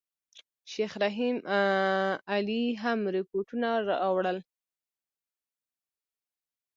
شیخ رحیم علي هم رپوټونه راوړل.